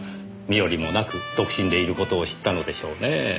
身寄りもなく独身でいる事を知ったのでしょうねえ。